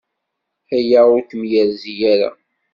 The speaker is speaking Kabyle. Aya ur kem-yerzi ara.